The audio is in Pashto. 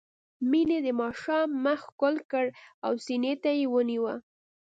مينې د ماشوم مخ ښکل کړ او سينې ته يې ونيوه.